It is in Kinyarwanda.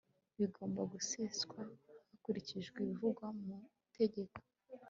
biigomba guseswa hakurikijwe ibivugwa mu itegeko